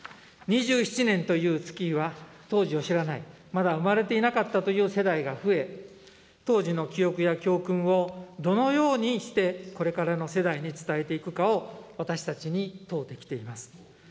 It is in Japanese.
２７年という月日は、当時を知らない、まだ生まれていなかったという世代が増え、当時の記憶や教訓をどのようにしてこれからの世代に伝えていくかを、私たちに問うてきています。